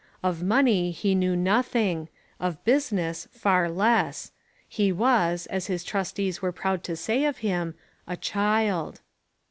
Of money he knew nothing; of business, far less. He was, as his trustees were proud to say of him, "a child."